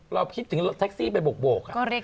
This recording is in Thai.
เราคิดถึงรถแท็กซี่ไปโบก